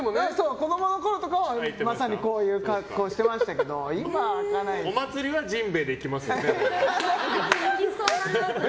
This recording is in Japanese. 子供のころとかは、まさにこういう格好してましたけどお祭りは甚平で行きますよね。